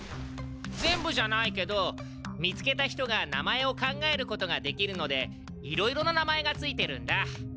全部じゃないけど見つけた人が名前を考えることができるのでいろいろな名前がついてるんだ。